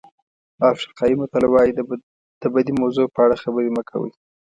افریقایي متل وایي د بدې موضوع په اړه خبرې مه کوئ.